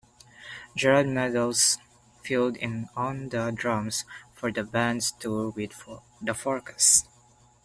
Jerad Meadows filled in on the drums for the band's tour with The Forecast.